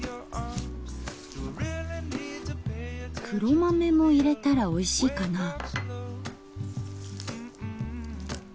黒豆も入れたらおいしいかな。